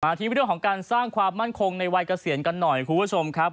ที่เรื่องของการสร้างความมั่นคงในวัยเกษียณกันหน่อยคุณผู้ชมครับ